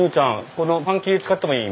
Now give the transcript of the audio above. このパン切り使ってもいい？